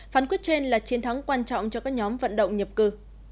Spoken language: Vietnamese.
phán quyết trên là chiến thắng quan trọng cho các nhóm vận động nhập cư